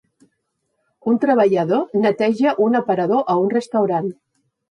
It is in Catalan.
Un treballador neteja un aparador a un restaurant.